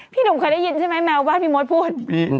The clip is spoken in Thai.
หนุ่มเคยได้ยินใช่ไหมแมวบ้านพี่มดพูด